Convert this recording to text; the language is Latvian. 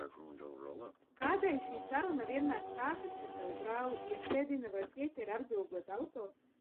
Kādēļ šī saruna vienmēr sākas, kad tavu brāli iesēdina vai pieķer apzogot auto?